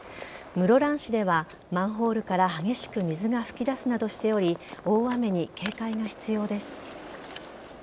室蘭市ではマンホールから激しく水が噴き出すなどしており大雨に警戒が必要です。